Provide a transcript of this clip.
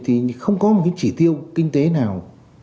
thì không có những chỉ tiêu kinh tế nào